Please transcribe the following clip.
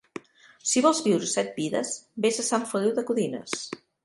Si vols viure set vides, ves a Sant Feliu de Codines.